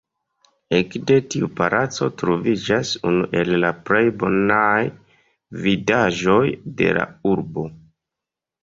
Ekde tiu palaco troviĝas unu el la plej bonaj vidaĵoj de la urbo.